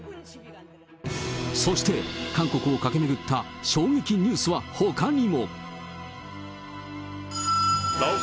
そして、韓国を駆け巡った衝撃ニュースはほかにも。